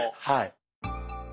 はい。